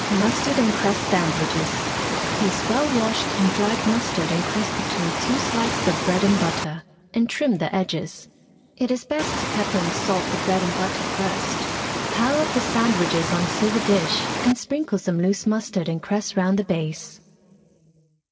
MUSTARD AND CRESS SANDWICHES. Place well washed and dried mustard and cress between two slices of bread and butter, and trim the edges. It is best to pepper and salt the bread and butter first. Pile up the sandwiches on a silver dish, and sprinkle some loose mustard and cress round the base.